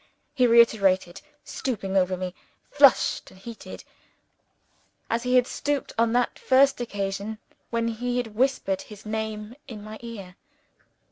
he reiterated, stooping over me, flushed and heated, as he had stooped on that first occasion, when he had whispered his name in my ear.